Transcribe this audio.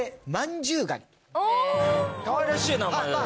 かわいらしい名前。